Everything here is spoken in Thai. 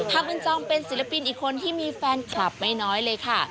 บุญจอมเป็นศิลปินอีกคนที่มีแฟนคลับไม่น้อยเลยค่ะ